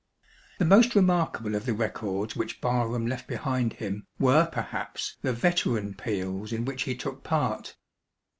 The most remarkable of the records which Barham left behind him were perhaps the 'Veteran' peals in which he took part.